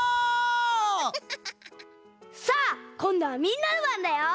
さあこんどはみんなのばんだよ！